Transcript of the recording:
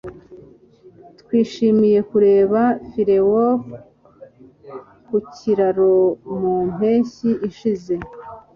twishimiye kureba fireworks ku kiraro mu mpeshyi ishize